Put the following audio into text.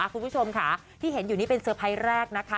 คุณผู้ชมค่ะที่เห็นอยู่นี่เป็นเซอร์ไพรส์แรกนะคะ